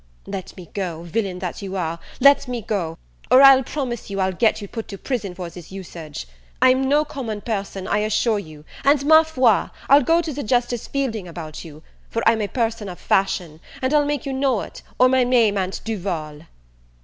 "Let me go, villain that you are, let me go, or I'll promise you I'll get you put to prison for this usage. I'm no common person, I assure you; and, ma foi, I'll go to Justice Fielding about you; for I'm a person of fashion, and I'll make you know it, or my name a'n't Duval."